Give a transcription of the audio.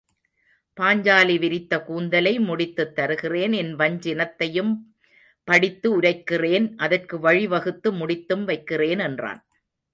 பாஞ்சாலி விரித்த கூந்தலை முடித்துத்தருகிறேன் என் வஞ்சினத்தையும்படித்து உரைக் கிறேன் அதற்கு வழி வகுத்து முடித்தும் வைக்கிறேன் என்றான்.